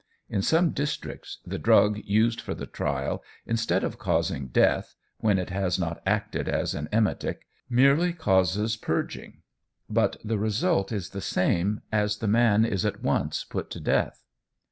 In some districts the drug used for the trial, instead of causing death, when it has not acted as an emetic, merely causes purging; but the result is the same, as the man is at once put to death."